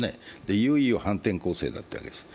いよいよ反転攻勢になったわけです。